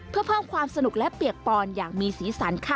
เพื่อเพิ่มความสนุกและเปียกปอนอย่างมีสีสันค่ะ